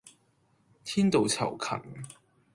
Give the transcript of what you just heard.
天道酬勤